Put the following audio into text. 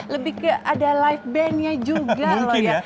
lebih ke ada live bandnya juga loh ya